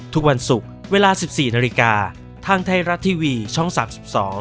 ทุกวันศุกร์เวลา๑๔นาฬิกาทางไทยรัตน์ทีวีช่องศักดิ์๑๒